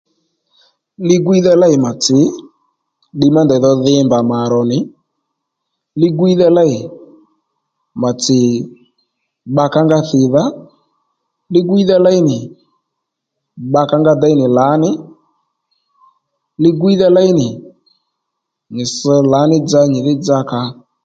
Li-gwíydha lêy mà tsì ddiy má ndèy dho dhi mbà mà rò nì li-gwíydha léy mà tsì bba kǎó nga thìdha li-gwiydha léy nì bbakǎnga déy nì lǎní li-gwiydha léy nì nyi ss lǎní dza nyìdhí dza kǎ